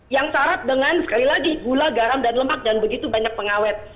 yang syarat dengan sekali lagi gula garam dan lemak dan begitu banyak pengawet